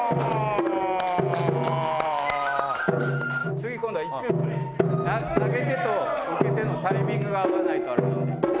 次今度は一個ずつ投げ手と受け手のタイミングが合わないと。